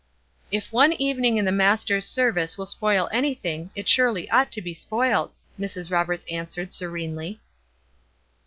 "If one evening in the Master's service will spoil anything it surely ought to be spoiled," Mrs. Roberts answered, serenely.